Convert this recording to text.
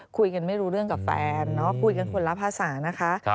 คุยกันไม่รู้เรื่องกับแฟนเนาะคุยกันคนละภาษานะคะ